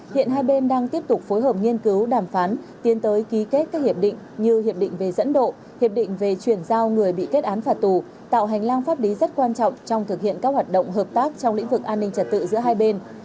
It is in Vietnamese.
hiện hai bên đang tiếp tục phối hợp nghiên cứu đàm phán tiến tới ký kết các hiệp định như hiệp định về dẫn độ hiệp định về chuyển giao người bị kết án phạt tù tạo hành lang pháp lý rất quan trọng trong thực hiện các hoạt động hợp tác trong lĩnh vực an ninh trật tự giữa hai bên